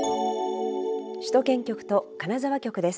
首都圏局と金沢局です。